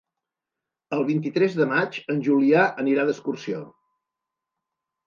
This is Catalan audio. El vint-i-tres de maig en Julià anirà d'excursió.